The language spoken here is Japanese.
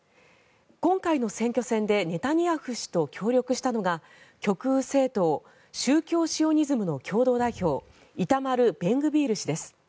今回の選挙戦でネタニヤフ氏と協力したのが極右政党宗教シオニズムの共同代表イタマル・ベングビール氏です。